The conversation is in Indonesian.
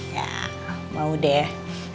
ya mau deh